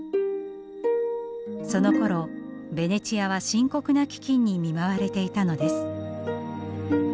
そのころベネチアは深刻な飢きんに見舞われていたのです。